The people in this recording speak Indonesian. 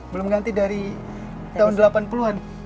belum ganti dari tahun delapan puluh an